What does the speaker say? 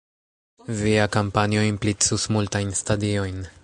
Via kampanjo implicus multajn stadiojn.